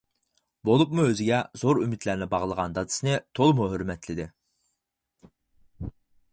بولۇپمۇ ئۆزىگە زور ئۈمىدلەرنى باغلىغان دادىسىنى تولىمۇ ھۆرمەتلىدى.